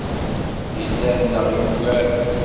Izad neɣ yugar!